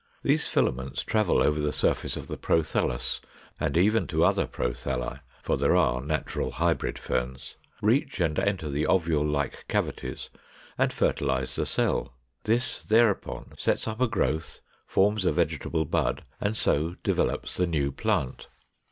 These filaments travel over the surface of the prothallus, and even to other prothalli (for there are natural hybrid Ferns), reach and enter the ovule like cavities, and fertilize the cell. This thereupon sets up a growth, forms a vegetable bud, and so develops the new plant.